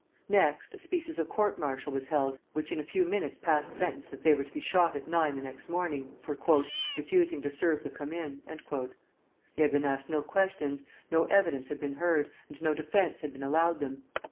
Next, a species of court martial was held, which in a few minutes passed sentence that they were to be shot at nine the next morning, for "refusing to serve the Commune!" They had been asked no questions, no evidence had been heard, and no defence had been allowed them.